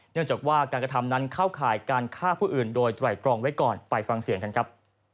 เนื่องจากว่าการกระทำนั้นเข้าข่ายการฆ่าผู้อื่นโดยไตรตรองไว้ก่อนไปฟังเสียงกันครับ